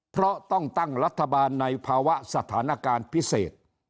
เพราะต้องตั้งรัฐบาลในภาวะสถานการณ์พิเศษ